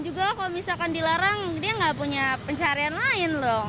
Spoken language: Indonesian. juga kalau misalkan dilarang dia nggak punya pencarian lain loh